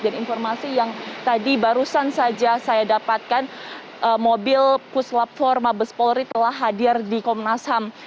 dan informasi yang tadi barusan saja saya dapatkan mobil puslap empat mabes polri telah hadir di komnas ham